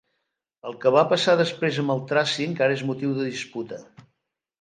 El que va passar després amb el traci encara és motiu de disputa.